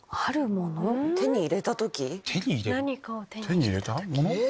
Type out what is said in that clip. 手に入れたもの？